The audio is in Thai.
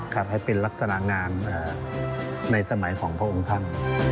ให้เป็นลักษณะงามในสมัยของพระองค์ท่าน